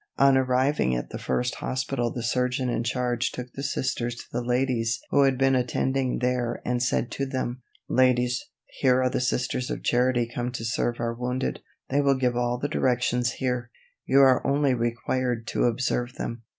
On arriving at the first hospital the surgeon in charge took the Sisters to the ladies who had been attending there and said to them: "Ladies, here are the Sisters of Charity come to serve our wounded; they will give all the directions here; you are only required to observe them."